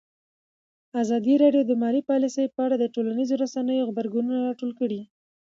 ازادي راډیو د مالي پالیسي په اړه د ټولنیزو رسنیو غبرګونونه راټول کړي.